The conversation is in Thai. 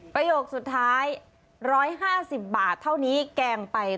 ประโยคสุดท้าย๑๕๐บาทเท่านี้แกงไป